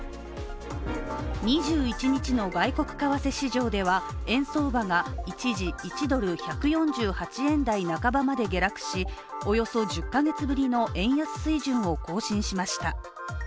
２１日の外国為替市場では円相場が一時１ドル＝１４８円台半ばまで下落しおよそ１０か月ぶりの円安水準を更新しました。